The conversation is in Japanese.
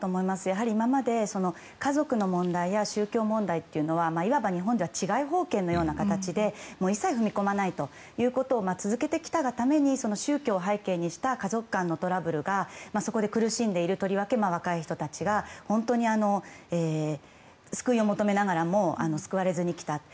やはり今まで家族の問題や宗教問題はいわば日本では治外法権のような形で一切踏み込まないということを続けてきたがために宗教を背景にした家族間のトラブルがそこで苦しんでいるとりわけ、若い人たちが本当に救いを求めながらも救われずにきたと。